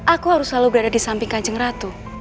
aku harus selalu berada di samping kanjeng ratu